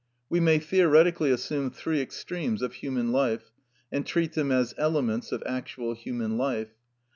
We may theoretically assume three extremes of human life, and treat them as elements of actual human life.